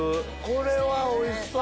これはおいしそう！